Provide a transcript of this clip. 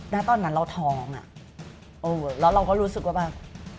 แล้วตอนนั้นเราท้องแล้วเราก็รู้สึกว่าแบบ